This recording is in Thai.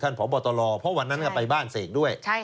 ท่านผอบตโรเพราะวันนั้นไปบ้านเศกด้วย